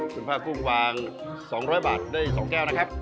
คุณผ้ากุ้งวาง๒๐๐บาทได้๒แก้วนะครับ